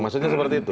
maksudnya seperti itu